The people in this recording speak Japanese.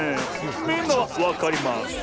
みんなはわかりますキャ？